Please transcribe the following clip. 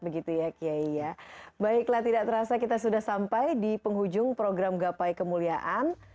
baiklah tidak terasa kita sudah sampai di penghujung program gapai kemuliaan